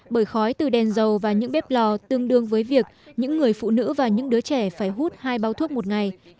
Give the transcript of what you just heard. bởi khói từ đèn dầu và những bếp lò tương đương với việc những người phụ nữ và những đứa trẻ phải hút hai bao thuốc một ngày